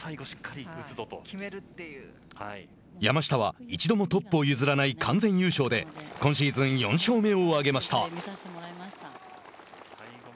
山下は一度もトップを譲らない完全優勝で今シーズン４勝目を挙げました。